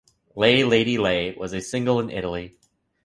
"Lay Lady Lay" was a single in Italy.